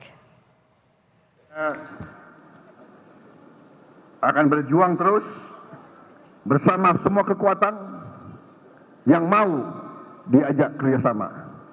saya akan berjuang terus bersama semua kekuatan yang mau diajak kerjasama